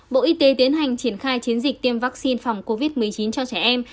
bộ y tế tiến hành triển khai chiến dịch tiêm vaccine phòng covid một mươi chín cho trẻ em